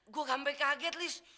gue sampai kaget liz